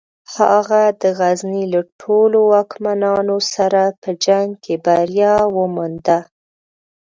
هغه د غزني له ټولو واکمنانو سره په جنګ کې بریا ومونده.